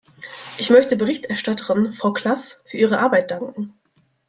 Ich möchte der Berichterstatterin, Frau Klass, für ihre Arbeit danken.